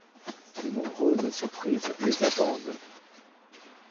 De nombreuses surprises les attendent...